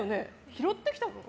拾ってきたの？